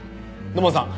土門さん！